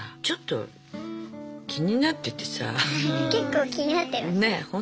結構気になってますね。